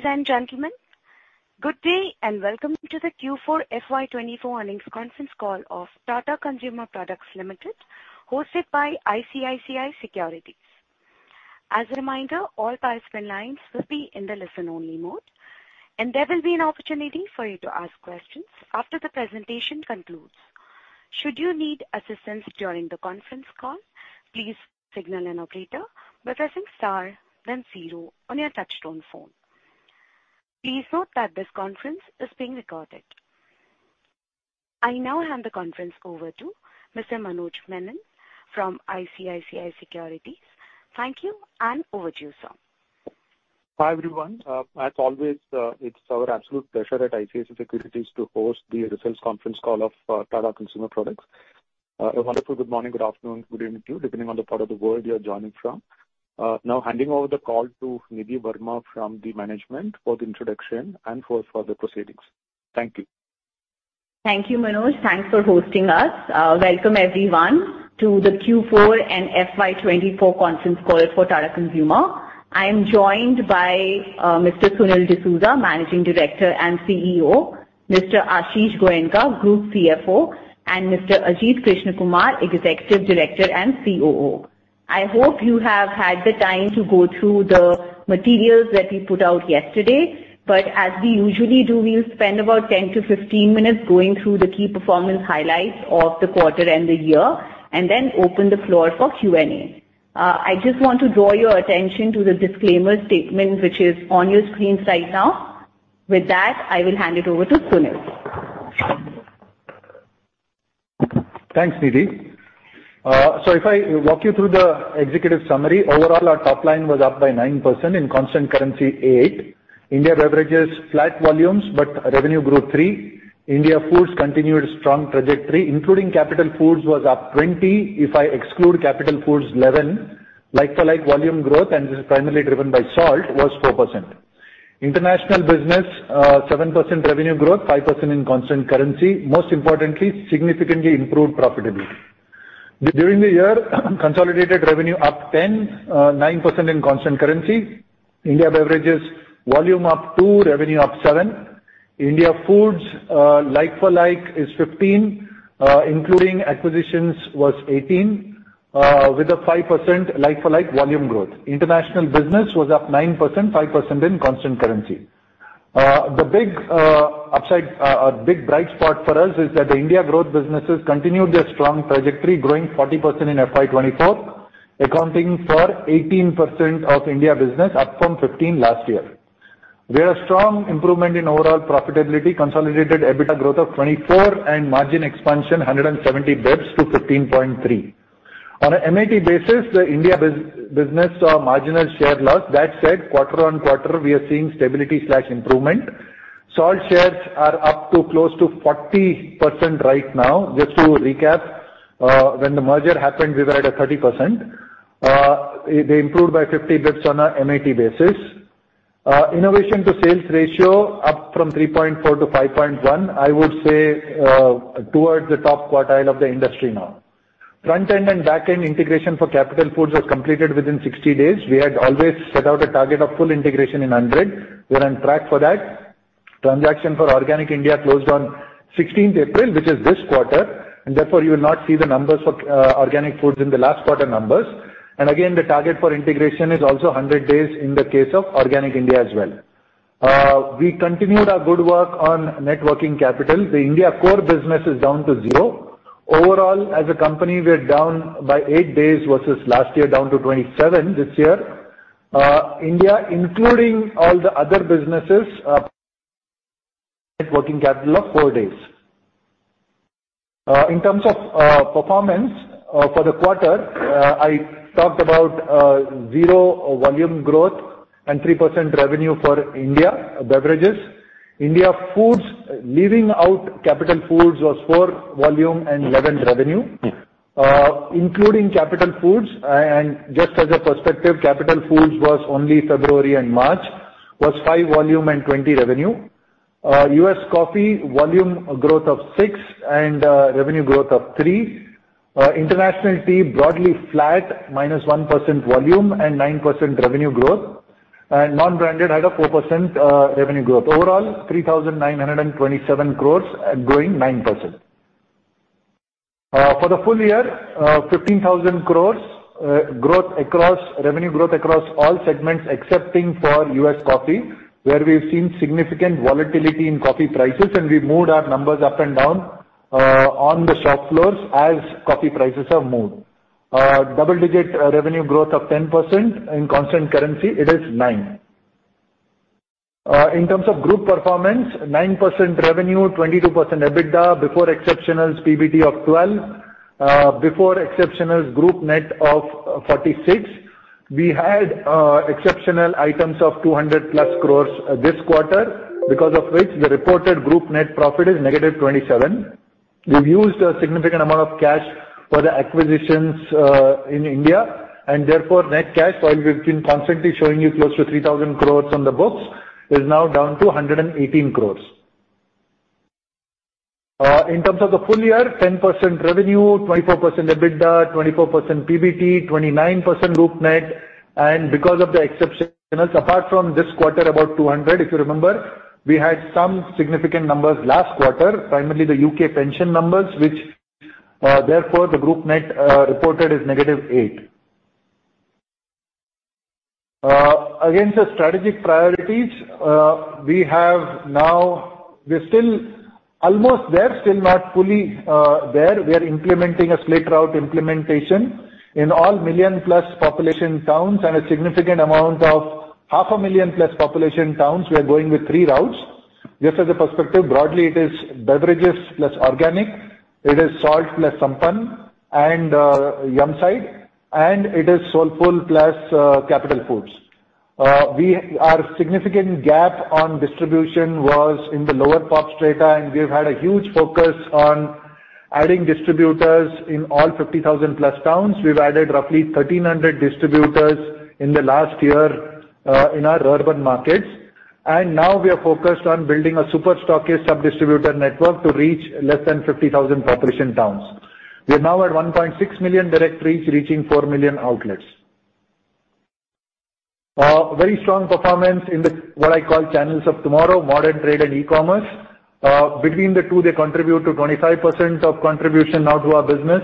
Ladies and gentlemen, good day and welcome to the Q4 FY 2024 earnings conference call of Tata Consumer Products Limited, hosted by ICICI Securities. As a reminder, all participant lines will be in the listen-only mode, and there will be an opportunity for you to ask questions after the presentation concludes. Should you need assistance during the conference call, please signal an operator by pressing star, then zero on your touch-tone phone. Please note that this conference is being recorded. I now hand the conference over to Mr. Manoj Menon from ICICI Securities. Thank you, and over to you, sir. Hi everyone. As always, it's our absolute pleasure at ICICI Securities to host the results conference call of Tata Consumer Products. A wonderful good morning, good afternoon, good evening to you, depending on the part of the world you're joining from. Now handing over the call to Nidhi Verma from the management for the introduction and for further proceedings. Thank you. Thank you, Manoj. Thanks for hosting us. Welcome everyone to the Q4 and FY 2024 conference call for Tata Consumer. I am joined by Mr. Sunil D'Souza, Managing Director and CEO, Mr. Ashish Goenka, Group CFO, and Mr. Ajit Krishnakumar, Executive Director and COO. I hope you have had the time to go through the materials that we put out yesterday, but as we usually do, we'll spend about 10-15 minutes going through the key performance highlights of the quarter and the year, and then open the floor for Q&A. I just want to draw your attention to the disclaimer statement which is on your screens right now. With that, I will hand it over to Sunil. Thanks, Nidhi. So if I walk you through the executive summary, overall our top line was up by 9% in constant currency, 8%. India Beverages flat volumes but revenue grew 3%. India Foods continued strong trajectory, including Capital Foods was up 20%; if I exclude Capital Foods, 11%. Like-for-like volume growth, and this is primarily driven by salt, was 4%. International Business, 7% revenue growth, 5% in constant currency. Most importantly, significantly improved profitability. During the year, consolidated revenue up 10%, 9% in constant currency. India Beverages volume up 2%, revenue up 7%. India Foods, like-for-like is 15%, including acquisitions was 18%, with a 5% like-for-like volume growth. International Business was up 9%, 5% in constant currency. The big upside or big bright spot for us is that the India Growth businesses continued their strong trajectory, growing 40% in FY 2024, accounting for 18% of India business up from 15% last year. We had a strong improvement in overall profitability, consolidated EBITDA growth of 24%, and margin expansion 170 basis points to 15.3%. On a MAT basis, the India business, marginal share loss. That said, quarter-on-quarter we are seeing stability or improvement. Salt shares are up to close to 40% right now. Just to recap, when the merger happened we were at a 30%. It improved by 50 basis points on a MAT basis. Innovation to sales ratio up from 3.4 to 5.1, I would say, towards the top quartile of the industry now. Front-end and back-end integration for Capital Foods was completed within 60 days. We had always set out a target of full integration in 100. We're on track for that. Transaction for Organic India closed on 16th April, which is this quarter, and therefore you will not see the numbers for Organic India in the last quarter numbers. Again, the target for integration is also 100 days in the case of Organic India as well. We continued our good work on working capital. The India core business is down to 0%. Overall, as a company we're down by 8 days versus last year, down to 27 days this year. India, including all the other businesses, working capital of 4 days. In terms of performance for the quarter, I talked about 0% volume growth and 3% revenue for India Beverages. India Foods, leaving out Capital Foods, was 4% volume and 11% revenue. including Capital Foods, and just as a perspective, Capital Foods was only February and March, was 5% volume and 20% revenue. US Coffee, volume growth of 6% and revenue growth of 3%. International Tea, broadly flat, -1% volume and 9% revenue growth. And non-branded had a 4% revenue growth. Overall, 3,927 crores, growing 9%. For the full year, 15,000 crores, growth across revenue growth across all segments excepting for US Coffee, where we've seen significant volatility in coffee prices, and we've moved our numbers up and down, on the shop floors as coffee prices have moved. Double-digit revenue growth of 10% in constant currency, it is 9%. In terms of group performance, 9% revenue, 22% EBITDA before exceptionals, PBT of 12% before exceptionals, group net of 46%. We had exceptional items of 200+ crores this quarter, because of which the reported group net profit is -27%. We've used a significant amount of cash for the acquisitions, in India, and therefore net cash, while we've been constantly showing you close to 3,000 crores on the books, is now down to 118 crores. In terms of the full year, 10% revenue, 24% EBITDA, 24% PBT, 29% group net. And because of the exceptionals, apart from this quarter about 200 crores, if you remember, we had some significant numbers last quarter, primarily the U.K. pension numbers, which, therefore the group net, reported is -8%. Against the strategic priorities, we have now we're still almost there, still not fully, there. We are implementing a slate route implementation in all million-plus population towns and a significant amount of half a million-plus population towns. We are going with three routes. Just as a perspective, broadly it is Beverages plus Organic, it is Salt plus Sampann, and, Yumside, and it is Soulfull plus, Capital Foods. We are significant gap on distribution was in the lower pops data, and we've had a huge focus on adding distributors in all 50,000+ towns. We've added roughly 1,300 distributors in the last year, in our urban markets. And now we are focused on building a superstockist sub-distributor network to reach less than 50,000 population towns. We are now at 1.6 million direct reach, reaching 4 million outlets. Very strong performance in the what I call channels of tomorrow, modern trade and e-commerce. Between the two, they contribute to 25% of contribution now to our business.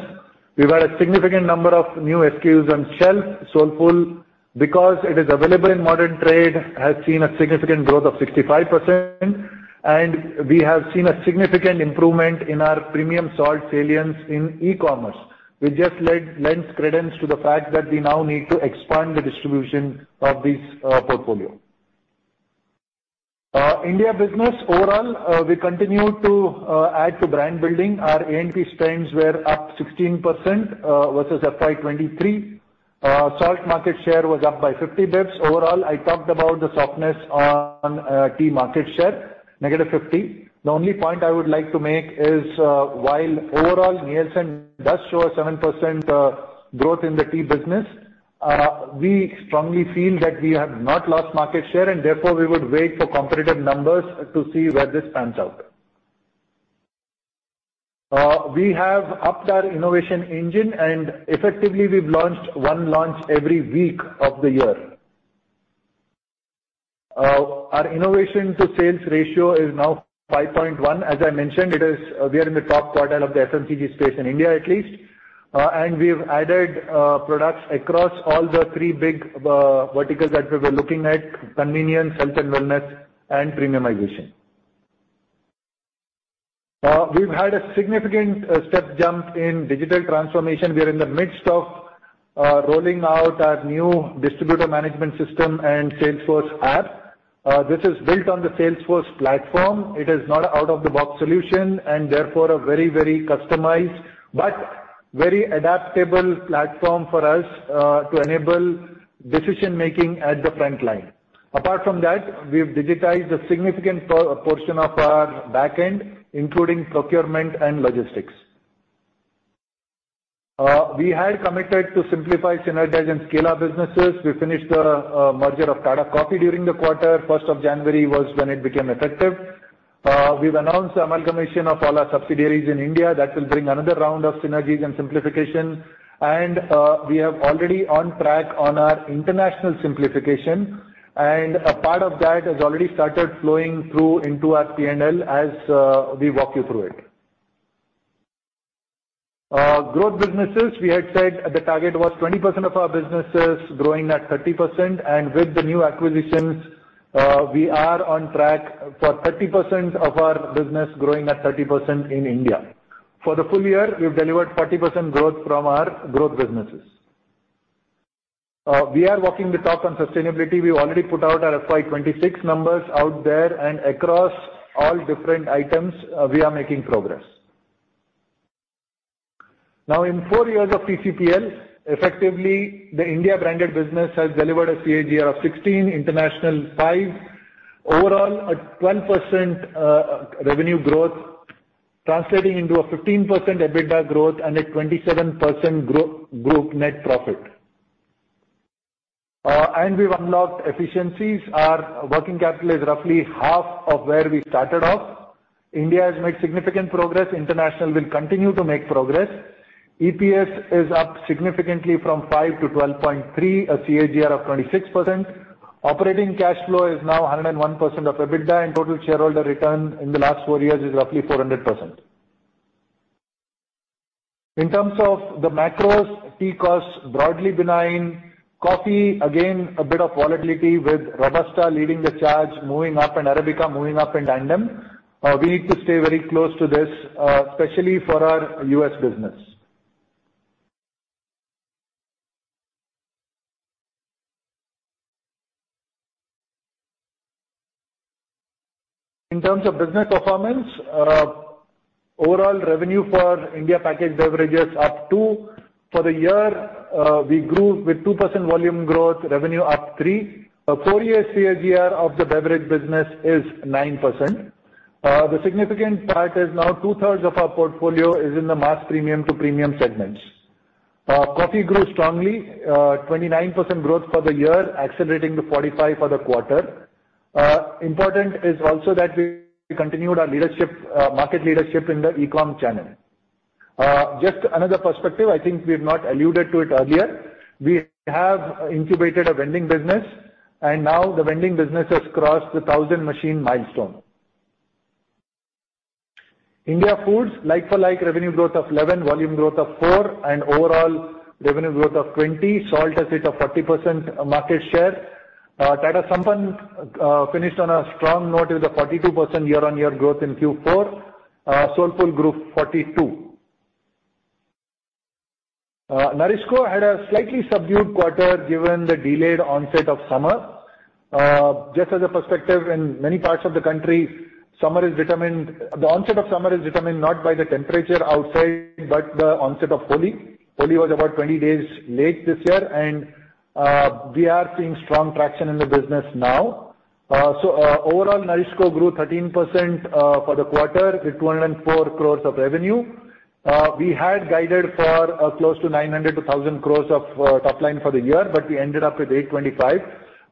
We've had a significant number of new SKUs on shelf. Soulfull, because it is available in modern trade, has seen a significant growth of 65%. We have seen a significant improvement in our premium salt salience in e-commerce. This just lends credence to the fact that we now need to expand the distribution of this portfolio. India business overall, we continue to add to brand building. Our A&P spends were up 16% versus FY23. Salt market share was up by 50 BIPs. Overall, I talked about the softness on tea market share, -50%. The only point I would like to make is, while overall Nielsen does show a 7% growth in the tea business, we strongly feel that we have not lost market share, and therefore we would wait for competitive numbers to see where this pans out. We have upped our innovation engine, and effectively we've launched one launch every week of the year. Our innovation to sales ratio is now 5.1. As I mentioned, it is we are in the top quartile of the FMCG space in India at least. We've added products across all the three big verticals that we were looking at: convenience, health and wellness, and premiumization. We've had a significant step jump in digital transformation. We are in the midst of rolling out our new distributor management system and Salesforce app. This is built on the Salesforce platform. It is not an out-of-the-box solution, and therefore a very, very customized but very adaptable platform for us to enable decision-making at the front line. Apart from that, we've digitized a significant portion of our back end, including procurement and logistics. We had committed to simplify, synergize, and scale our businesses. We finished the merger of Tata Coffee during the quarter. 1st of January was when it became effective. We've announced amalgamation of all our subsidiaries in India. That will bring another round of synergies and simplification. We have already on track on our international simplification, and a part of that has already started flowing through into our P&L as we walk you through it. Growth businesses, we had said the target was 20% of our businesses growing at 30%, and with the new acquisitions, we are on track for 30% of our business growing at 30% in India. For the full year, we've delivered 40% growth from our growth businesses. We are walking the talk on sustainability. We've already put out our FY26 numbers out there and across all different items, we are making progress. Now, in four years of TCPL, effectively the India branded business has delivered a CAGR of 16%, international 5%, overall a 12%, revenue growth, translating into a 15% EBITDA growth and a 27% growth group net profit. We've unlocked efficiencies. Our working capital is roughly half of where we started off. India has made significant progress. International will continue to make progress. EPS is up significantly from 5% to 12.3%, a CAGR of 26%. Operating cash flow is now 101% of EBITDA, and total shareholder return in the last four years is roughly 400%. In terms of the macros, tea costs broadly benign. Coffee, again, a bit of volatility with Robusta leading the charge, moving up, and Arabica moving up in tandem. We need to stay very close to this, especially for our U.S. business. In terms of business performance, overall revenue for India Packaged Beverages up 2%. For the year, we grew with 2% volume growth, revenue up 3%. A four-year CAGR of the beverage business is 9%. The significant part is now two-thirds of our portfolio is in the mass premium to premium segments. Coffee grew strongly, 29% growth for the year, accelerating to 45% for the quarter. Important is also that we continued our leadership, market leadership in the e-com channel. Just another perspective, I think we've not alluded to it earlier, we have incubated a vending business, and now the vending business has crossed the 1,000 machine milestone. India Foods, like-for-like revenue growth of 11%, volume growth of 4%, and overall revenue growth of 20%. Salt has hit a 40% market share. Tata Sampann finished on a strong note with a 42% year-on-year growth in Q4. Soulfull grew 42%. NourishCo had a slightly subdued quarter given the delayed onset of summer. Just as a perspective, in many parts of the country, the onset of summer is determined not by the temperature outside but the onset of Holi. Holi was about 20 days late this year, and we are seeing strong traction in the business now. So, overall NourishCo grew 13% for the quarter with 204 crore of revenue. We had guided for close to 900 crore-1,000 crore of top line for the year, but we ended up with 825 crore.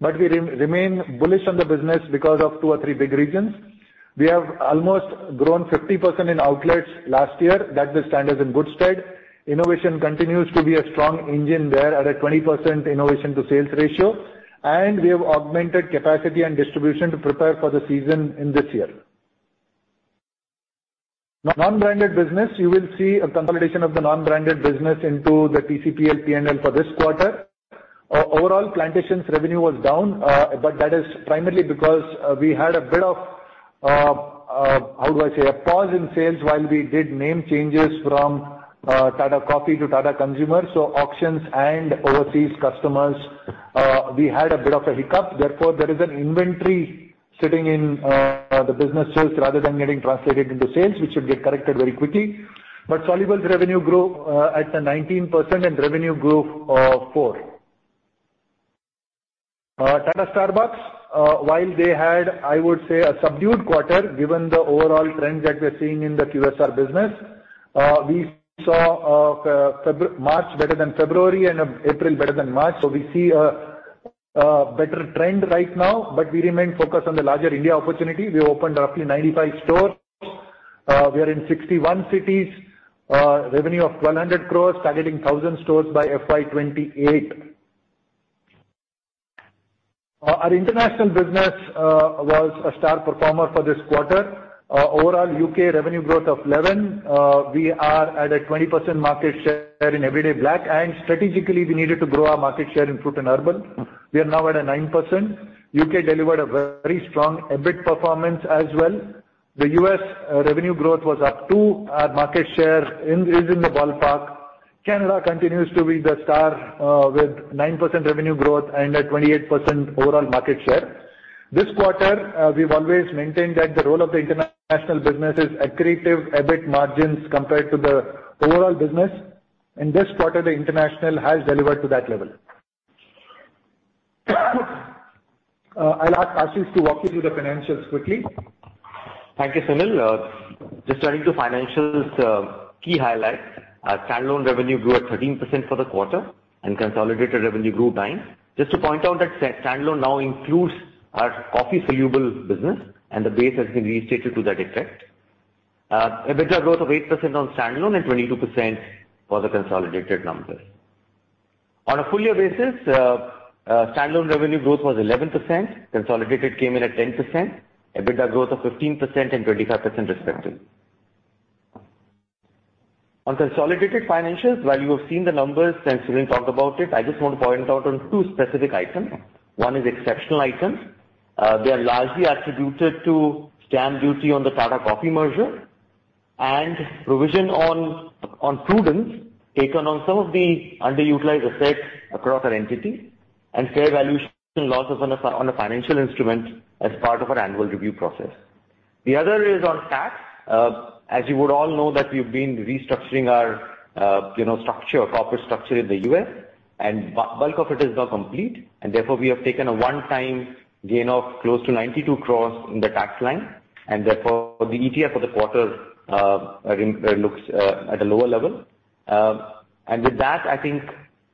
But we remain bullish on the business because of two or three big reasons. We have almost grown 50% in outlets last year. That will stand us in good stead. Innovation continues to be a strong engine there at a 20% innovation to sales ratio, and we have augmented capacity and distribution to prepare for the season in this year. Non-branded business, you will see a consolidation of the non-branded business into the TCPL P&L for this quarter. Overall plantations revenue was down, but that is primarily because we had a bit of, how do I say, a pause in sales while we did name changes from Tata Coffee to Tata Consumer. So auctions and overseas customers, we had a bit of a hiccup. Therefore, there is an inventory sitting in the businesses rather than getting translated into sales, which should get corrected very quickly. But Soluble's revenue grew at 19%, and revenue grew 4%. Tata Starbucks, while they had, I would say, a subdued quarter given the overall trend that we're seeing in the QSR business, we saw February March better than February and April better than March. So we see a better trend right now, but we remain focused on the larger India opportunity. We opened roughly 95 stores. We are in 61 cities, revenue of 1,200 crore, targeting 1,000 stores by FY 2028. Our international business was a star performer for this quarter. Overall U.K. revenue growth of 11%. We are at a 20% market share in Everyday Black, and strategically we needed to grow our market share in fruit and herbal. We are now at a 9%. U.K. delivered a very strong EBIT performance as well. The U.S. revenue growth was up 2%. Our market share is in the ballpark. Canada continues to be the star, with 9% revenue growth and a 28% overall market share. This quarter, we've always maintained that the role of the international business is accretive EBIT margins compared to the overall business. In this quarter, the international has delivered to that level. I'll ask Ashish to walk you through the financials quickly. Thank you, Sunil. Just turning to financials, key highlights, standalone revenue grew at 13% for the quarter, and consolidated revenue grew 9%. Just to point out that standalone now includes our coffee soluble business, and the base has been restated to that effect. EBITDA growth of 8% on standalone and 22% for the consolidated numbers. On a full-year basis, standalone revenue growth was 11%. Consolidated came in at 10%. EBITDA growth of 15% and 25% respectively. On consolidated financials, while you have seen the numbers and Sunil talked about it, I just want to point out on two specific items. One is exceptional items. They are largely attributed to stamp duty on the Tata Coffee merger and provision on prudence taken on some of the underutilized assets across our entity and fair valuation losses on a financial instrument as part of our annual review process. The other is on tax. As you would all know, that we've been restructuring our, you know, structure, corporate structure in the U.S., and bulk of it is now complete. And therefore we have taken a one-time gain of close to 92 crore in the tax line, and therefore the ETF for the quarter looks at a lower level. And with that, I think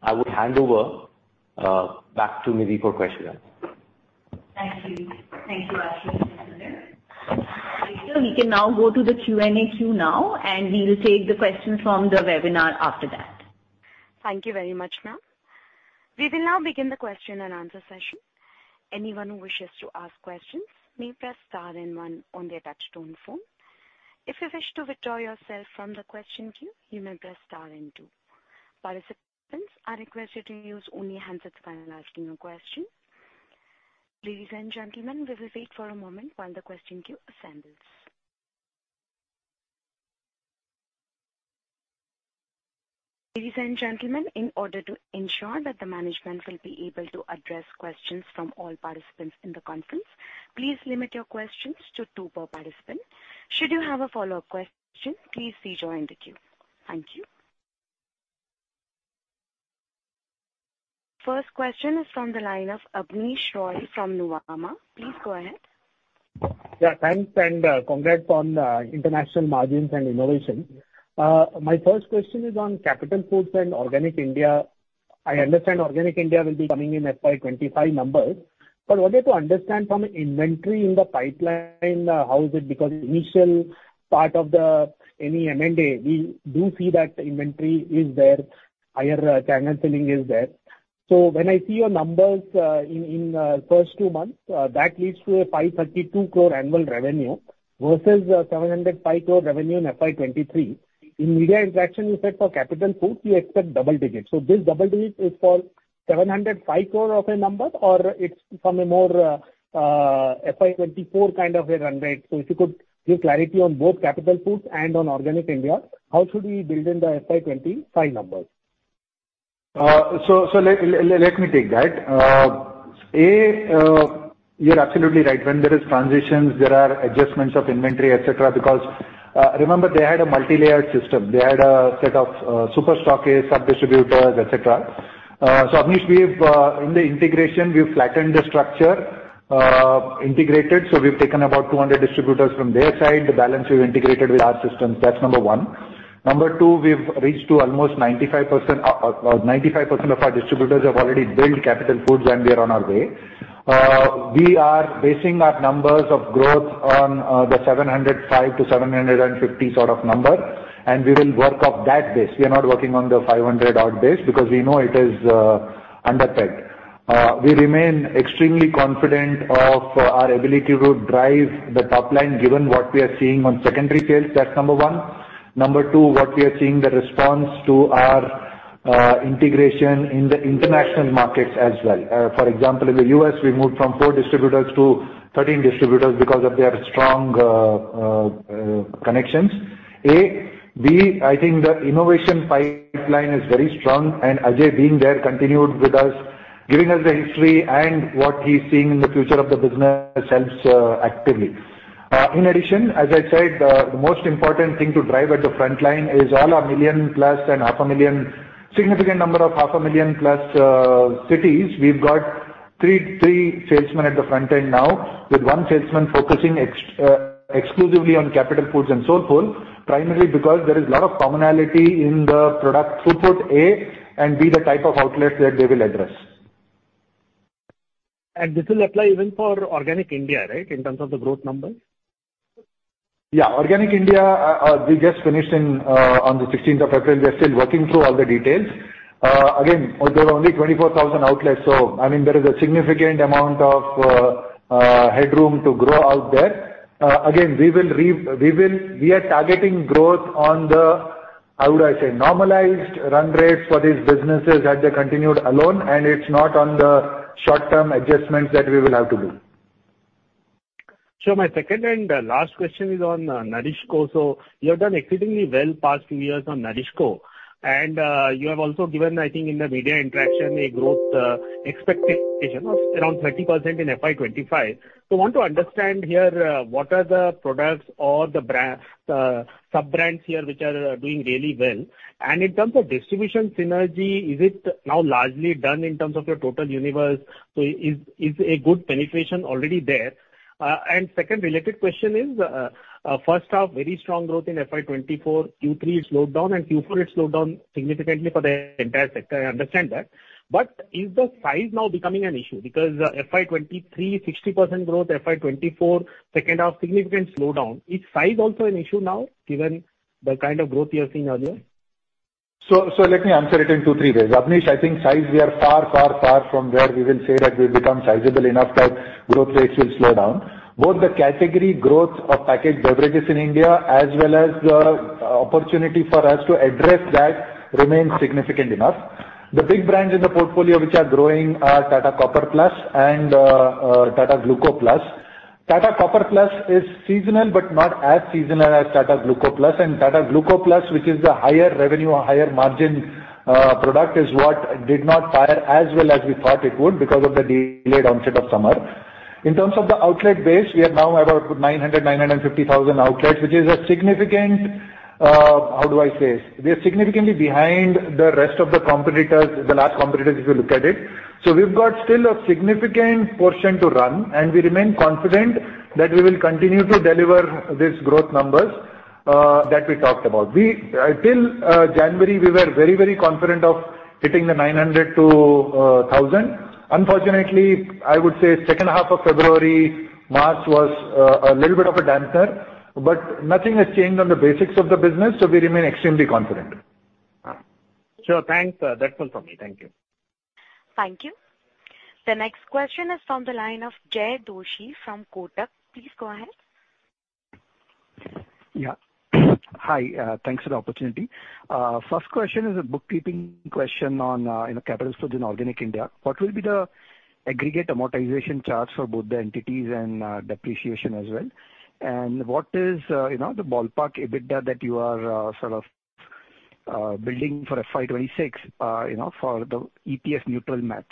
I would hand over back to Nidhi for questions. Thank you. Thank you, Ashish and Sunil. Ashish, we can now go to the Q&A queue now, and we'll take the questions from the webinar after that. Thank you very much, ma'am. We will now begin the question and answer session. Anyone who wishes to ask questions may press star and one on their touch-tone phone. If you wish to withdraw yourself from the question queue, you may press star and two. Participants are requested to use only handsets at the time of asking a question. Ladies and gentlemen, we will wait for a moment while the question queue assembles. Ladies and gentlemen, in order to ensure that the management will be able to address questions from all participants in the conference, please limit your questions to two per participant. Should you have a follow-up question, please rejoin the queue. Thank you. First question is from the line of Abneesh Roy from Nuvama. Please go ahead. Yeah. Thanks and congrats on international margins and innovation. My first question is on Capital Foods and Organic India. I understand Organic India will be coming in FY25 numbers, but what I have to understand from inventory in the pipeline, how is it? Because initial part of the any M&A, we do see that inventory is there. Higher channel filling is there. So when I see your numbers, in first two months, that leads to a 532 crore annual revenue versus 705 crore revenue in FY23. In media interaction, you said for Capital Foods you expect double digits. So this double digit is for 705 crore of a number, or it's from a more FY24 kind of a run rate? So if you could give clarity on both Capital Foods and on Organic India, how should we build in the FY25 numbers? Let me take that. Ah, you're absolutely right. When there are transitions, there are adjustments of inventory, etc., because, remember, they had a multilayered system. They had a set of super stockists, subdistributors, etc. So Abneesh, we've in the integration we've flattened the structure, integrated. So we've taken about 200 distributors from their side. The balance we've integrated with our systems. That's number one. Number two, we've reached to almost 95% or 95% of our distributors have already built Capital Foods, and we are on our way. We are basing our numbers of growth on the 705-750 sort of number, and we will work off that base. We are not working on the 500-odd base because we know it is underpegged. We remain extremely confident of our ability to drive the top line given what we are seeing on secondary sales. That's number one. Number two, what we are seeing, the response to our integration in the international markets as well. For example, in the U.S., we moved from 4 distributors to 13 distributors because of their strong connections. A, B, I think the innovation pipeline is very strong, and Ajay being there continued with us, giving us the history and what he's seeing in the future of the business helps actively. In addition, as I said, the most important thing to drive at the front line is all our 1 million-plus and 500,000, significant number of 500,000-plus, cities. We've got 3 salesmen at the front end now with one salesman focusing exclusively on Capital Foods and Soulful, primarily because there is a lot of commonality in the product footprint, A, and B, the type of outlets that they will address. This will apply even for Organic India, right, in terms of the growth numbers? Yeah. Organic India, we just finished in, on the 16th of April. We are still working through all the details. Again, there are only 24,000 outlets, so, I mean, there is a significant amount of headroom to grow out there. Again, we are targeting growth on the, how do I say, normalized run rates for these businesses as they continued alone, and it's not on the short-term adjustments that we will have to do. So my second and last question is on NourishCo. So you have done exceedingly well past few years on NourishCo, and you have also given, I think, in the media interaction, a growth expectation of around 30% in FY25. So I want to understand here, what are the products or the brands, the sub-brands here which are doing really well? And in terms of distribution synergy, is it now largely done in terms of your total universe? So is a good penetration already there? And second related question is, first half, very strong growth in FY24. Q3 slowed down, and Q4 it slowed down significantly for the entire sector. I understand that. But is the size now becoming an issue? Because, FY23, 60% growth, FY24, second half, significant slowdown. Is size also an issue now given the kind of growth you have seen earlier? So, so let me answer it in two, three ways. Abneesh, I think size we are far, far, far from where we will say that we've become sizable enough that growth rates will slow down. Both the category growth of packaged beverages in India as well as the opportunity for us to address that remains significant enough. The big brands in the portfolio which are growing are Tata Copper Plus and, Tata Gluco Plus. Tata Copper Plus is seasonal but not as seasonal as Tata Gluco Plus, and Tata Gluco Plus, which is the higher revenue, higher margin, product, is what did not fire as well as we thought it would because of the delayed onset of summer. In terms of the outlet base, we are now about 900-950 thousand outlets, which is a significant, how do I say, we are significantly behind the rest of the competitors, the last competitors if you look at it. So we've got still a significant portion to run, and we remain confident that we will continue to deliver these growth numbers, that we talked about. We till January were very, very confident of hitting the 900-1,000. Unfortunately, I would say second half of February, March was a little bit of a dampener, but nothing has changed on the basics of the business, so we remain extremely confident. Sure. Thanks. That's all from me. Thank you. Thank you. The next question is from the line of Jay Doshi from Kotak. Please go ahead. Yeah. Hi. Thanks for the opportunity. First question is a bookkeeping question on, you know, Capital Foods and Organic India. What will be the aggregate amortization charges for both the entities and, depreciation as well? And what is, you know, the ballpark EBITDA that you are, sort of, building for FY26, you know, for the EPS neutral math?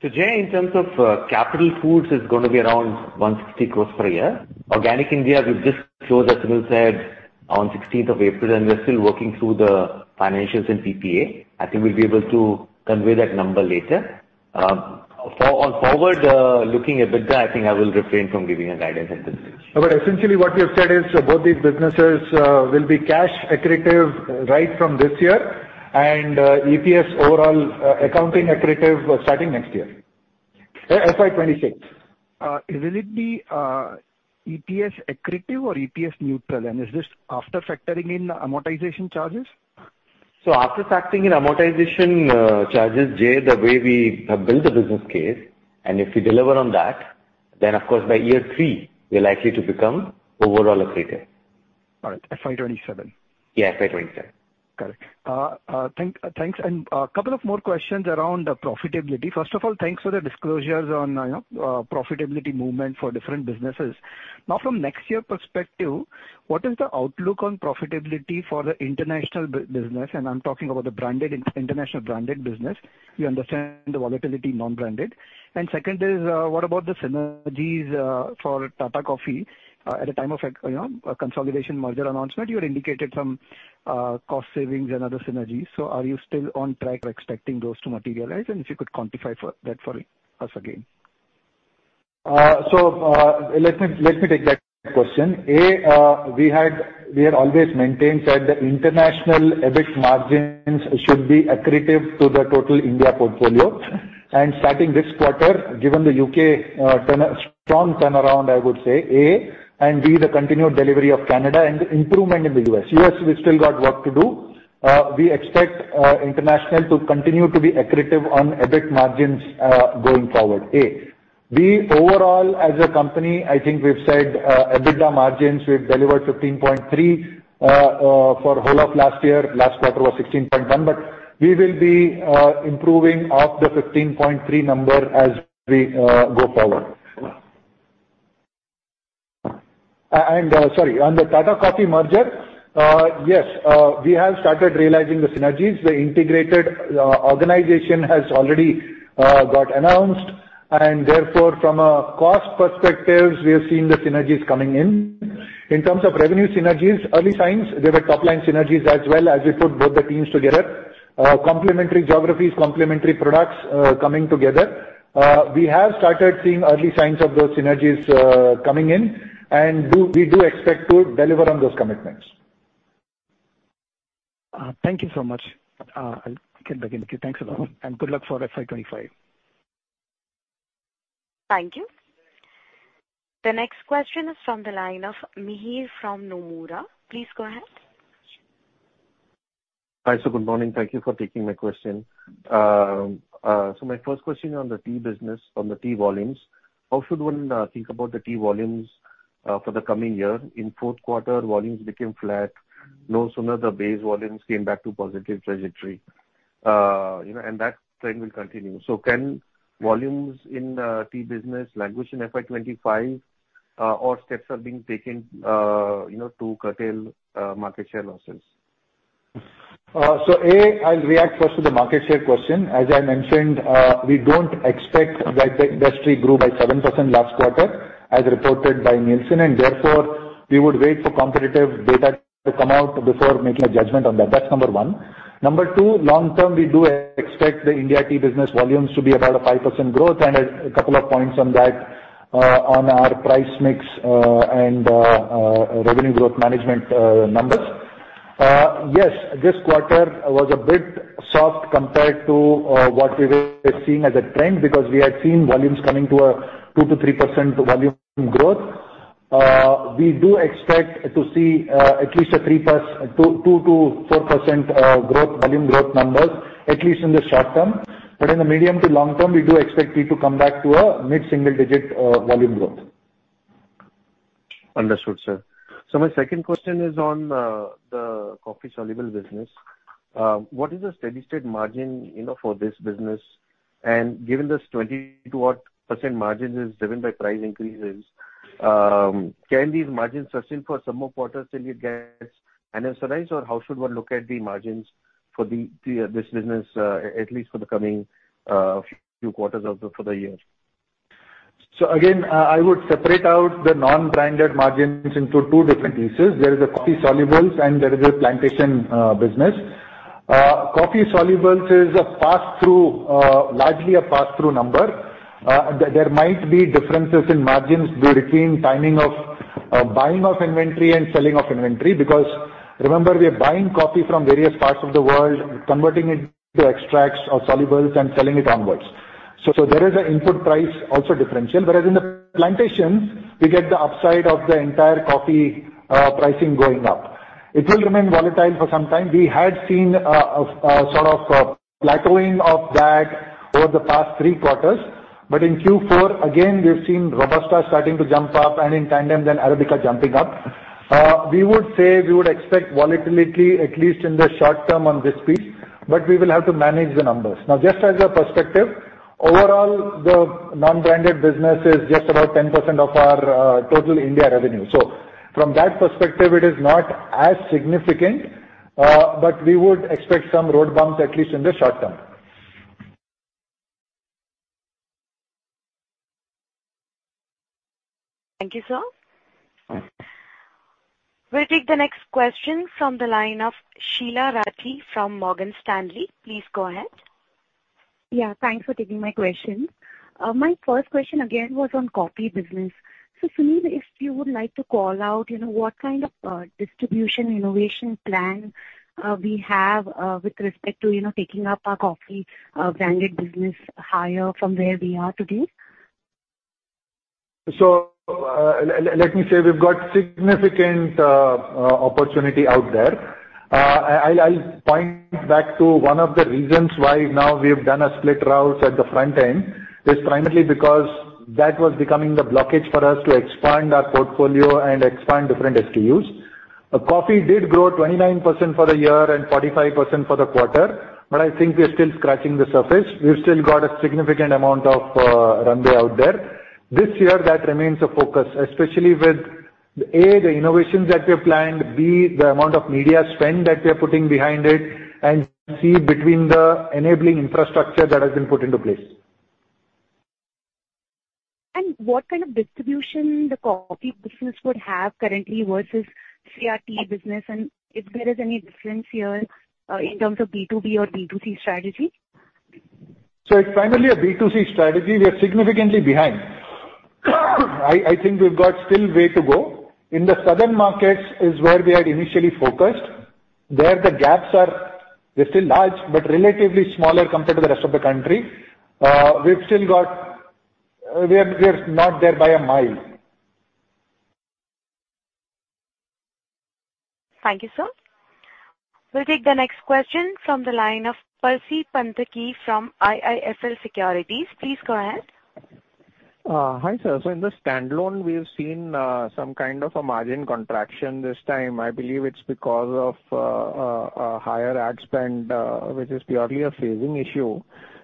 Today, in terms of Capital Foods, it's going to be around 160 crore per year. Organic India, we've just closed, as Sunil said, on 16th of April, and we're still working through the financials and PPA. I think we'll be able to convey that number later. Going forward-looking EBITDA, I think I will refrain from giving a guidance at this stage. But essentially what we have said is both these businesses will be cash accretive right from this year, and EPS overall accounting accretive starting next year, FY26. Will it be EPS accretive or EPS neutral? And is this after factoring in amortization charges? So after factoring in amortization, charges, Jay, the way we have built the business case, and if we deliver on that, then of course by year three, we're likely to become overall accretive. All right. FY27? Yeah. FY27. Correct. Thanks. A couple of more questions around profitability. First of all, thanks for the disclosures on, you know, profitability movement for different businesses. Now, from next year perspective, what is the outlook on profitability for the international business? And I'm talking about the branded international branded business. You understand the volatility non-branded. And second is, what about the synergies, for Tata Coffee, at a time of a, you know, a consolidation merger announcement? You had indicated some, cost savings and other synergies. So are you still on track for expecting those to materialize? And if you could quantify for that for us again. So, let me take that question. A, we had always maintained that the international EBIT margins should be accretive to the total India portfolio. And starting this quarter, given the U.K. turnaround, a strong turnaround, I would say, A, and B, the continued delivery of Canada and the improvement in the U.S. U.S., we still got work to do. We expect international to continue to be accretive on EBIT margins, going forward. A, overall as a company, I think we've said, EBITDA margins, we've delivered 15.3 for whole of last year. Last quarter was 16.1, but we will be improving off the 15.3 number as we go forward. And, sorry, on the Tata Coffee merger, yes, we have started realizing the synergies. The integrated organization has already got announced, and therefore from a cost perspective, we have seen the synergies coming in. In terms of revenue synergies, early signs, there were top-line synergies as well as we put both the teams together, complementary geographies, complementary products, coming together. We have started seeing early signs of those synergies, coming in, and we do expect to deliver on those commitments. Thank you so much. I can begin. Thank you. Thanks a lot. Good luck for FY25. Thank you. The next question is from the line of Mihir from Nomura. Please go ahead. Hi. So good morning. Thank you for taking my question. So my first question is on the tea business, on the tea volumes. How should one think about the tea volumes for the coming year? In fourth quarter, volumes became flat. No sooner the base volumes came back to positive trajectory, you know, and that trend will continue. So can volumes in tea business languish in FY 2025, or steps are being taken, you know, to curtail market share losses? So, A, I'll react first to the market share question. As I mentioned, we don't expect that the industry grew by 7% last quarter as reported by Nielsen, and therefore we would wait for competitive data to come out before making a judgment on that. That's number one. Number two, long term, we do expect the India tea business volumes to be about a 5% growth and a couple of points on that, on our price mix, and, revenue growth management, numbers. Yes, this quarter was a bit soft compared to, what we were seeing as a trend because we had seen volumes coming to a 2%-3% volume growth. We do expect to see, at least a 3%, 2, 2%-4%, growth volume growth numbers at least in the short term. But in the medium- to long-term, we do expect it to come back to a mid-single-digit volume growth. Understood, sir. So my second question is on the coffee soluble business. What is the steady state margin, you know, for this business? And given this 22-odd% margin is driven by price increases, can these margins sustain for some more quarters till it gets annualized, or how should one look at the margins for the this business, at least for the coming few quarters of the for the year? So again, I would separate out the non-branded margins into two different pieces. There is the coffee solubles, and there is the plantation business. Coffee solubles is a pass-through, largely a pass-through number. There might be differences in margins between timing of buying of inventory and selling of inventory because remember, we are buying coffee from various parts of the world, converting it into extracts or solubles, and selling it onwards. So there is an input price also differential, whereas in the plantations, we get the upside of the entire coffee pricing going up. It will remain volatile for some time. We had seen a sort of plateauing of that over the past three quarters. But in Q4, again, we've seen Robusta starting to jump up, and in tandem, then Arabica jumping up. We would say we would expect volatility at least in the short term on this piece, but we will have to manage the numbers. Now, just as a perspective, overall, the non-branded business is just about 10% of our total India revenue. So from that perspective, it is not as significant, but we would expect some road bumps at least in the short term. Thank you, sir. We'll take the next question from the line of Sheela Rathi from Morgan Stanley. Please go ahead. Yeah. Thanks for taking my question. My first question again was on coffee business. So Sunil, if you would like to call out, you know, what kind of distribution innovation plan we have with respect to, you know, taking up our coffee branded business higher from where we are today? So, let me say we've got significant opportunity out there. I'll point back to one of the reasons why now we have done a split route at the front end is primarily because that was becoming the blockage for us to expand our portfolio and expand different SKUs. Coffee did grow 29% for the year and 45% for the quarter, but I think we are still scratching the surface. We've still got a significant amount of runway out there. This year, that remains a focus, especially with A, the innovations that we have planned, B, the amount of media spend that we are putting behind it, and C, between the enabling infrastructure that has been put into place. What kind of distribution the coffee business would have currently versus CRT business, and if there is any difference here, in terms of B2B or B2C strategy? So it's primarily a B2C strategy. We are significantly behind. I think we've got still way to go. In the southern markets is where we had initially focused. There, the gaps are. They're still large but relatively smaller compared to the rest of the country. We've still got. We are not there by a mile. Thank you, sir. We'll take the next question from the line of Percy Panthaki from IIFL Securities. Please go ahead. Hi, sir. So in the standalone, we have seen some kind of a margin contraction this time. I believe it's because of a higher ad spend, which is purely a phasing issue.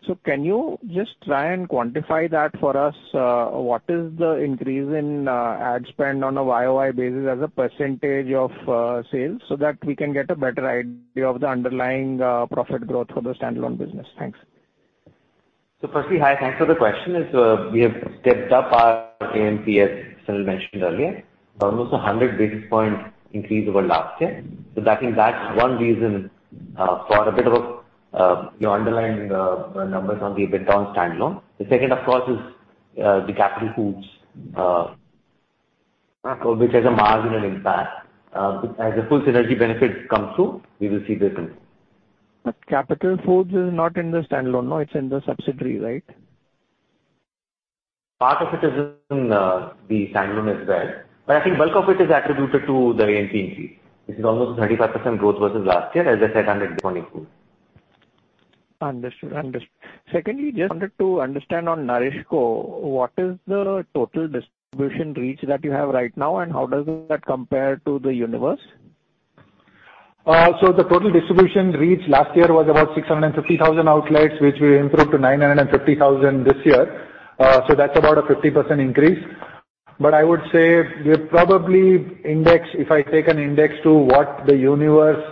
So can you just try and quantify that for us? What is the increase in ad spend on a YOY basis as a percentage of sales so that we can get a better idea of the underlying profit growth for the standalone business? Thanks. So, Parsi, hi. Thanks for the question. We have stepped up our AMP as Sunil mentioned earlier. Almost a 100 basis points increase over last year. So that I think that's one reason for a bit of a, you know, underlying numbers on the Tata Consumer standalone. The second, of course, is the Capital Foods, which has a marginal impact. As the full synergy benefit comes through, we will see this impact. But Capital Foods is not in the standalone, no? It's in the subsidiary, right? Part of it is in the standalone as well. But I think bulk of it is attributed to the A&P increase. It's almost 35% growth versus last year, as I said, under Capital Foods. Understood. Understood. Secondly, just wanted to understand on NourishCo, what is the total distribution reach that you have right now, and how does that compare to the universe? So the total distribution reach last year was about 650,000 outlets, which we improved to 950,000 this year. So that's about a 50% increase. But I would say we're probably index if I take an index to what the universe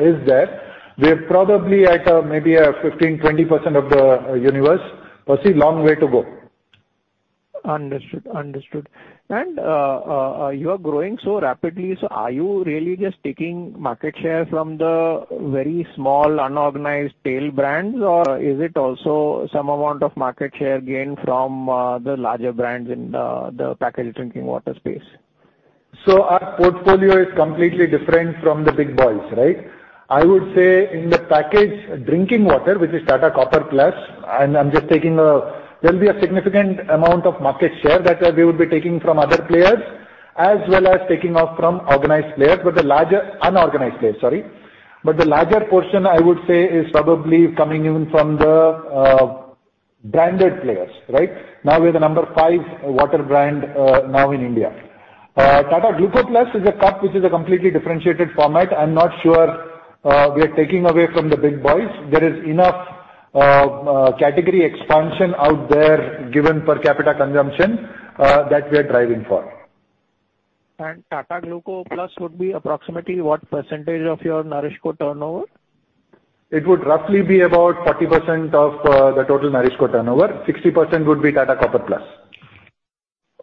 is there; we are probably at maybe a 15%-20% of the universe. Per se, long way to go. Understood. Understood. You are growing so rapidly. Are you really just taking market share from the very small unorganized tail brands, or is it also some amount of market share gained from the larger brands in the packaged drinking water space? So our portfolio is completely different from the big boys, right? I would say in the packaged drinking water, which is Tata Copper Plus, and I'm just taking a there'll be a significant amount of market share that, we would be taking from other players as well as taking off from organized players. But the larger unorganized players, sorry, but the larger portion, I would say, is probably coming in from the, branded players, right? Now we're the number 5 water brand, now in India. Tata Gluco Plus is a cup which is a completely differentiated format. I'm not sure, we are taking away from the big boys. There is enough, category expansion out there given per capita consumption, that we are driving for. Tata Gluco+ would be approximately what percentage of your NourishCo turnover? It would roughly be about 40% of the total NourishCo turnover. 60% would be Tata Copper+.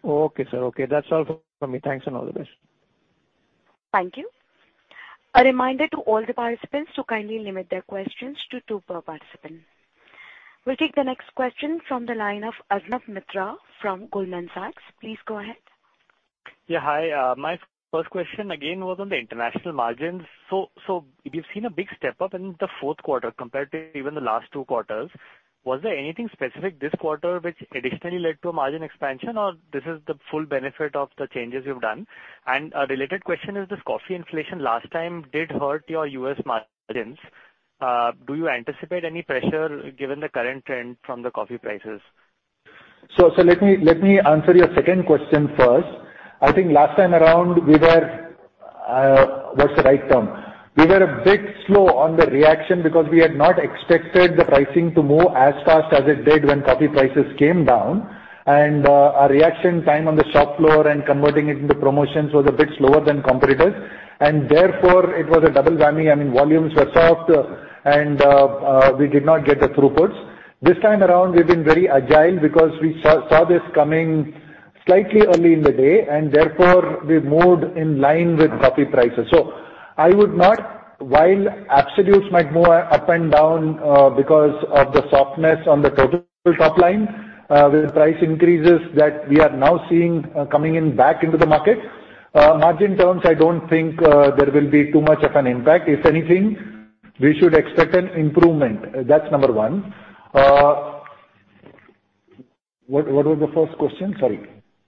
Okay, sir. Okay. That's all for me. Thanks and all the best. Thank you. A reminder to all the participants to kindly limit their questions to two per participant. We'll take the next question from the line of Arnav Mitra from Goldman Sachs. Please go ahead. Yeah. Hi. My first question again was on the international margins. So, so we've seen a big step up in the fourth quarter compared to even the last two quarters. Was there anything specific this quarter which additionally led to a margin expansion, or this is the full benefit of the changes you've done? And a related question is this coffee inflation last time did hurt your U.S. margins. Do you anticipate any pressure given the current trend from the coffee prices? So, let me answer your second question first. I think last time around we were, what's the right term? We were a bit slow on the reaction because we had not expected the pricing to move as fast as it did when coffee prices came down. Our reaction time on the shop floor and converting it into promotions was a bit slower than competitors. And therefore, it was a double whammy. I mean, volumes were soft, and we did not get the throughputs. This time around, we've been very agile because we saw this coming slightly early in the day, and therefore, we've moved in line with coffee prices. So I would not, while absolutes might move up and down, because of the softness on the total top line, with price increases that we are now seeing coming in back into the market, margin terms, I don't think there will be too much of an impact. If anything, we should expect an improvement. That's number one. What, what was the first question? Sorry.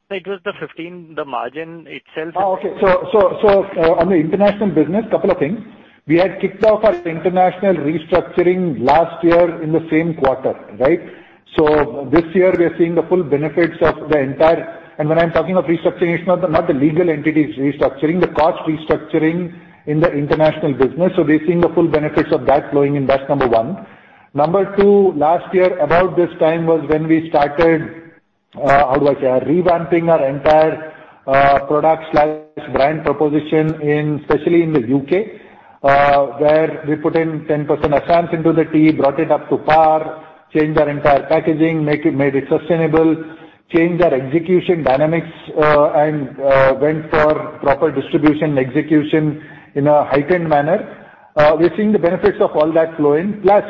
It was the 15, the margin itself? Oh, okay. So, on the international business, couple of things. We had kicked off our international restructuring last year in the same quarter, right? So this year, we are seeing the full benefits of the entire and when I'm talking of restructuring, it's not the legal entities restructuring, the cost restructuring in the international business. So we're seeing the full benefits of that flowing in. That's number one. Number two, last year, about this time was when we started, how do I say, revamping our entire product/brand proposition especially in the U.K., where we put in 10% A&P into the tea, brought it up to par, changed our entire packaging, made it sustainable, changed our execution dynamics, and went for proper distribution execution in a heightened manner. We're seeing the benefits of all that flow in. Plus,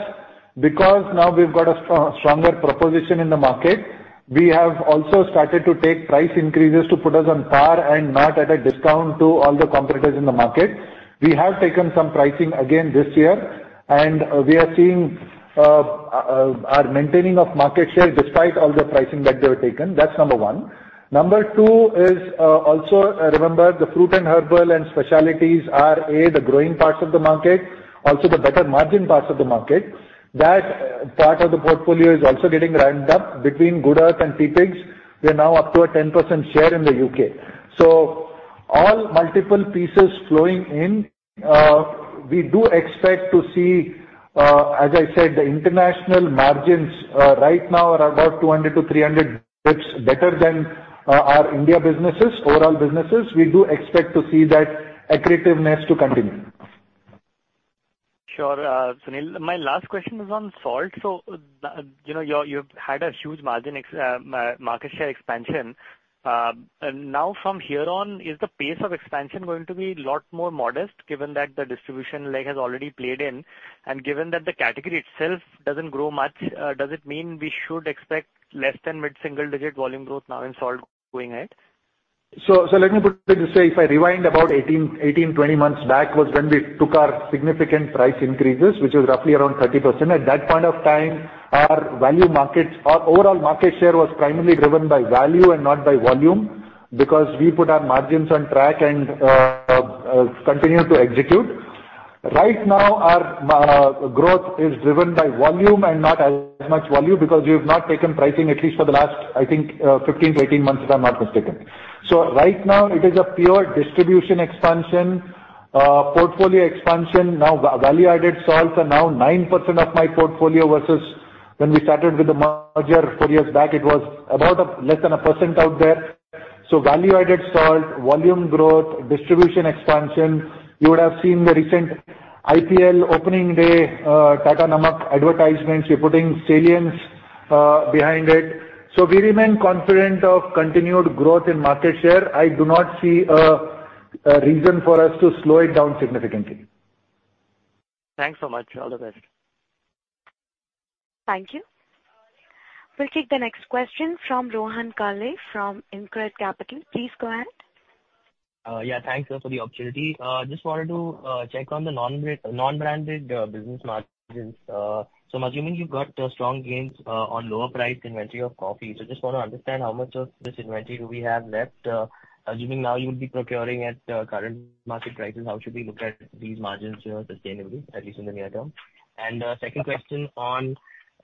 because now we've got a stronger proposition in the market, we have also started to take price increases to put us on par and not at a discount to all the competitors in the market. We have taken some pricing again this year, and we are seeing our maintaining of market share despite all the pricing that they were taken. That's number one. Number two is, also, remember, the fruit and herbal and specialties are, A, the growing parts of the market, also the better margin parts of the market. That part of the portfolio is also getting ramped up. Between Good Earth and Teapigs, we are now up to a 10% share in the U.K. So all multiple pieces flowing in, we do expect to see, as I said, the international margins, right now are about 200-300 bps better than our India businesses, overall businesses. We do expect to see that accretiveness to continue. Sure. Sunil, my last question was on salt. So, you know, you've had a huge margin ex market share expansion. Now from here on, is the pace of expansion going to be a lot more modest given that the distribution, like, has already played in? And given that the category itself doesn't grow much, does it mean we should expect less than mid-single-digit volume growth now in salt going ahead? So let me put it this way. If I rewind about 18-20 months back was when we took our significant price increases, which was roughly around 30%. At that point of time, our value market our overall market share was primarily driven by value and not by volume because we put our margins on track and continued to execute. Right now, our growth is driven by volume and not as much volume because we have not taken pricing at least for the last, I think, 15-18 months, if I'm not mistaken. So right now, it is a pure distribution expansion, portfolio expansion. Now, value-added salts are now 9% of my portfolio versus when we started with the merger 4 years back, it was about less than 1% out there. So value-added salt, volume growth, distribution expansion. You would have seen the recent IPL opening day Tata Namak advertisements. We're putting salience behind it. So we remain confident of continued growth in market share. I do not see a reason for us to slow it down significantly. Thanks so much. All the best. Thank you. We'll take the next question from Rohan Kalle from InCred Capital. Please go ahead. Yeah. Thanks, sir, for the opportunity. Just wanted to check on the non-branded business margins. So I'm assuming you've got strong gains on lower-priced inventory of coffee. So just want to understand how much of this inventory do we have left. Assuming now you would be procuring at current market prices, how should we look at these margins sustainably, at least in the near term? And second question on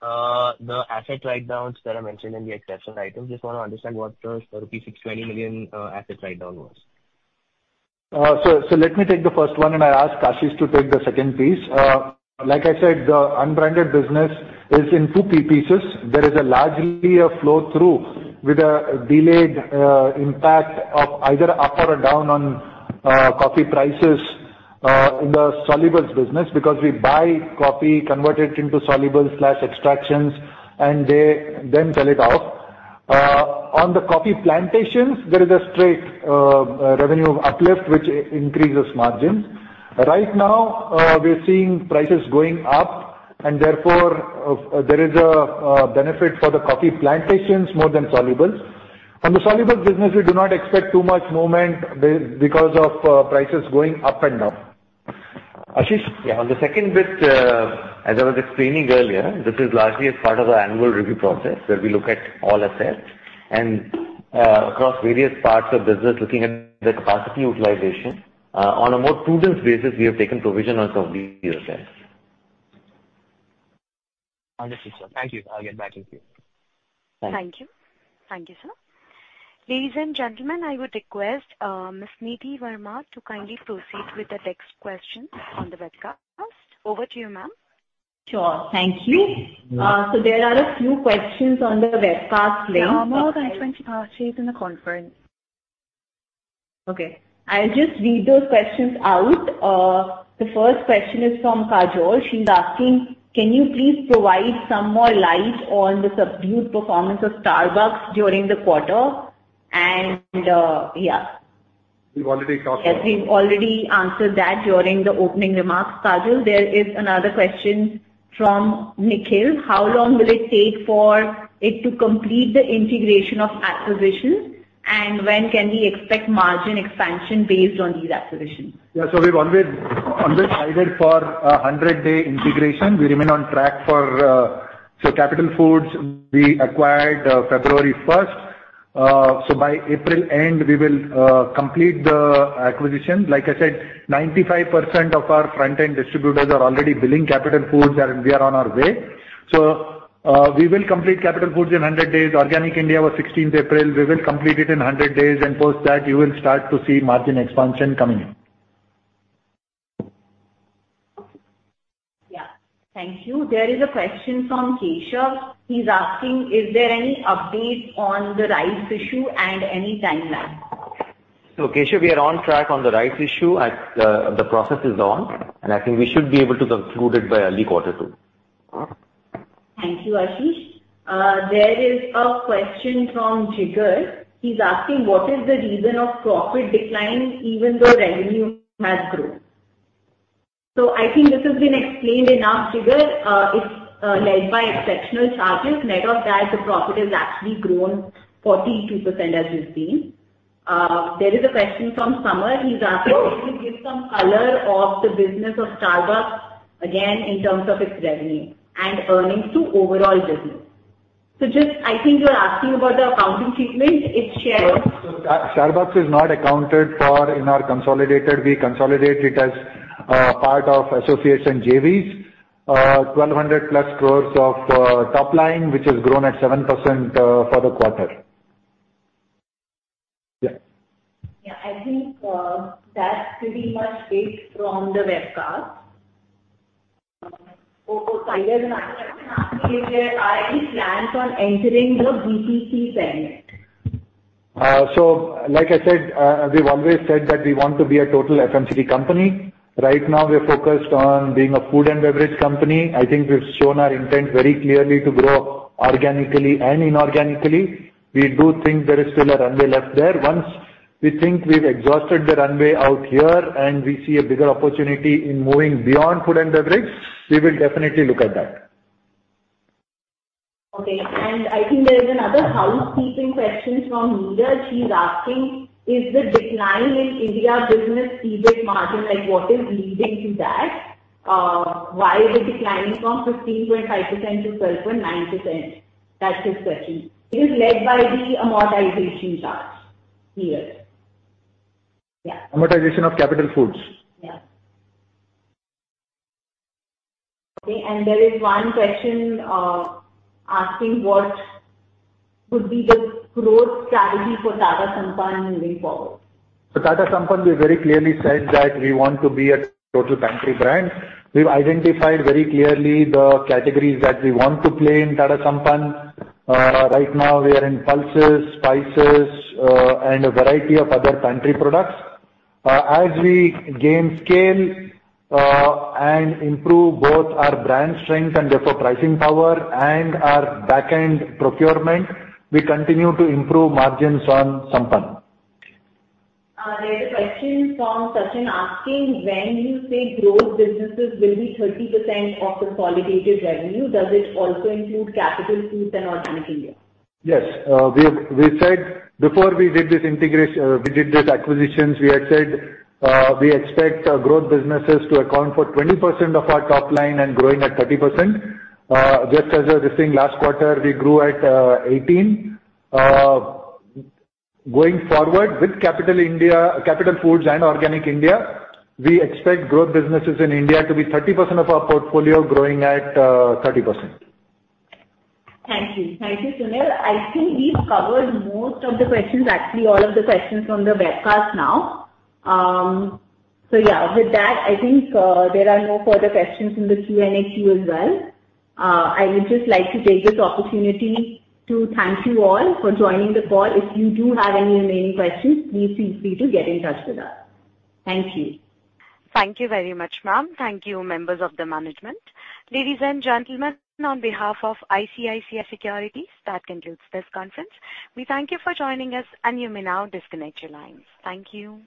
the asset write-downs that are mentioned in the exception items. Just want to understand what rupee 620 million asset write-down was. So, let me take the first one, and I asked Ashish to take the second piece. Like I said, the unbranded business is in two pieces. There is largely a flow through with a delayed impact of either up or down on coffee prices in the solubles business because we buy coffee converted into solubles/extractions, and they then sell it off. On the coffee plantations, there is a straight revenue uplift, which increases margins. Right now, we're seeing prices going up, and therefore, there is a benefit for the coffee plantations more than solubles. On the solubles business, we do not expect too much movement because of prices going up and down. Ashish? Yeah. On the second bit, as I was explaining earlier, this is largely a part of the annual review process where we look at all assets and across various parts of business, looking at the capacity utilization on a more prudent basis, we have taken provision on some of these assets. Understood, sir. Thank you. I'll get back in a few. Thanks. Thank you. Thank you, sir. Ladies and gentlemen, I would request Ms. Nidhi Verma to kindly proceed with the next questions on the webcast. Over to you, ma'am. Sure. Thank you. So there are a few questions on the webcast link. Among the 20 parties in the conference. Okay. I'll just read those questions out. The first question is from Kajol. She's asking, "Can you please provide some more light on the subdued performance of Starbucks during the quarter?" And, yeah. We've already talked about it. Yes. We've already answered that during the opening remarks, Kajol. There is another question from Nikhil. "How long will it take for it to complete the integration of acquisitions, and when can we expect margin expansion based on these acquisitions? Yeah. So we've always aimed for a 100-day integration. We remain on track for, so Capital Foods, we acquired February 1st. So by April end, we will complete the acquisition. Like I said, 95% of our front-end distributors are already billing Capital Foods, and we are on our way. So, we will complete Capital Foods in 100 days. Organic India was 16th April. We will complete it in 100 days. And post that, you will start to see margin expansion coming in. Yeah. Thank you. There is a question from Keshav. He's asking, "Is there any update on the rights issue and any timeline? Keshav, we are on track on the rights issue. The process is on, and I think we should be able to conclude it by early quarter two. Thank you, Ashish. There is a question from Jigar. He's asking, "What is the reason of profit decline even though revenue has grown?" So I think this has been explained enough, Jigar. It's, led by exceptional charges. Net of that, the profit has actually grown 42% as we've seen. There is a question from Sumer. He's asking, "Can you give some color of the business of Starbucks, again, in terms of its revenue and earnings to overall business?" So just I think you're asking about the accounting treatment. It's shared. Starbucks is not accounted for in our consolidated. We consolidate it as part of Associates and JVs. 1,200+ crores of top line, which has grown at 7%, for the quarter. Yeah. Yeah. I think that's pretty much it from the webcast. Oh, sorry. There's another question asking, "Is there any plans on entering the BPC segment? Like I said, we've always said that we want to be a total FMCG company. Right now, we're focused on being a food and beverage company. I think we've shown our intent very clearly to grow organically and inorganically. We do think there is still a runway left there. Once we think we've exhausted the runway out here and we see a bigger opportunity in moving beyond food and beverage, we will definitely look at that. Okay. I think there is another housekeeping question from Nida. She's asking, "Is the decline in India business EBIT margin, like, what is leading to that? Why is it declining from 15.5%-12.9%?" That's his question. It is led by the amortization charge here. Yeah. Amortization of Capital Foods? Yeah. Okay. There is one question, asking, "What would be the growth strategy for Tata Sampann moving forward? Tata Sampann, we very clearly said that we want to be a total pantry brand. We've identified very clearly the categories that we want to play in Tata Sampann. Right now, we are in pulses, spices, and a variety of other pantry products. As we gain scale, and improve both our brand strength and therefore pricing power and our back-end procurement, we continue to improve margins on Sampann. There is a question from Sachin asking, "When you say growth businesses will be 30% of consolidated revenue, does it also include Capital Foods and Organic India? Yes. We have said before we did this integration we did these acquisitions, we had said, we expect growth businesses to account for 20% of our top line and growing at 30%. Just as I was saying, last quarter, we grew at 18%. Going forward with Capital Foods and Organic India, we expect growth businesses in India to be 30% of our portfolio growing at 30%. Thank you. Thank you, Sunil. I think we've covered most of the questions, actually all of the questions from the webcast now. So yeah. With that, I think, there are no further questions in the Q&A queue as well. I would just like to take this opportunity to thank you all for joining the call. If you do have any remaining questions, please feel free to get in touch with us. Thank you. Thank you very much, ma'am. Thank you, members of the management. Ladies and gentlemen, on behalf of ICICI Securities, that concludes this conference. We thank you for joining us, and you may now disconnect your lines. Thank you.